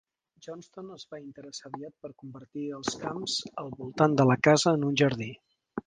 Johnston es va interessar aviat per convertir els camps al voltant de la casa en un jardí.